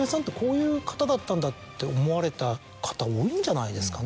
だったんだって思われた方多いんじゃないですかね。